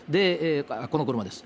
この車です。